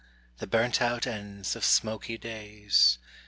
The burnt out ends of smoky days.